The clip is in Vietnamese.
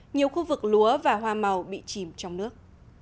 nhiều khu vực lúa và hoa màu bị chìm trong nước